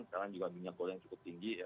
sekarang juga minyak goreng cukup tinggi ya